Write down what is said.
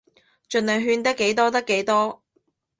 儘量勸得幾多得幾多